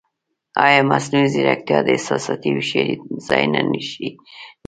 ایا مصنوعي ځیرکتیا د احساساتي هوښیارۍ ځای نه شي نیولی؟